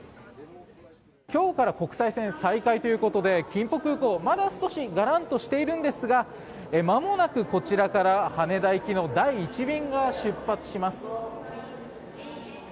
今日から国際線再開ということで金浦空港、まだ少しガランとしているんですがまもなく、こちらから羽田行きの第１便が出発します。